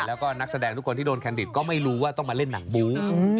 แล้วก็นักแสดงทุกคนที่โดนแคนดิตก็ไม่รู้ว่าต้องมาเล่นหนังบู๊